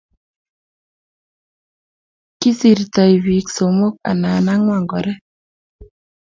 Kisirtoi bik somok anan angwan kora